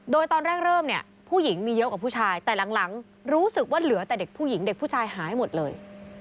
โดยตอนแรกเริ่มเนี่ยผู้หญิงมีเยอะกว่าผู้ชายแต่หลังรู้สึกว่าเหลือแต่เด็กผู้หญิงเด็กผู้ชายหายหมดเลย